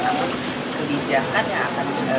namun kebijakan yang akan